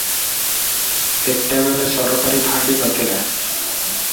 ତେତେବେଳେ ସରକାରୀ ଫାଣ୍ଡି ନ ଥିଲା ।